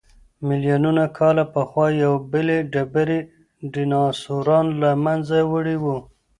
ملیونونه کاله پخوا یوې بلې ډبرې ډیناسوران له منځه وړي وو.